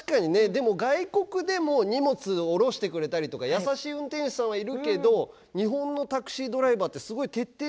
でも外国でも荷物降ろしてくれたりとか優しい運転手さんはいるけど日本のタクシードライバーってすごい徹底されてますよね。